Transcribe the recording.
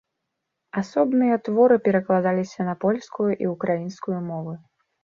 Асобныя творы перакладаліся на польскую і ўкраінскую мовы.